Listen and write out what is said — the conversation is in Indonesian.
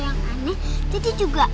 janganlah dia kesan